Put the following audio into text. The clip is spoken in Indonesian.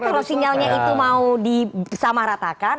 kalau sinyalnya itu mau disamaratakan